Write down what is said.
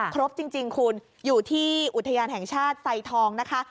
ครบจริงคุณอยู่ที่อุทยานแห่งชาติไซทองนะคะ